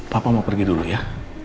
papa mau pergi dulu ya